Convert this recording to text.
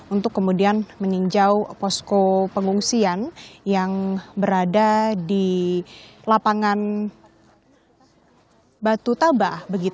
untuk kemudian meninjau posko pengungsian yang berada di lapangan batu tabah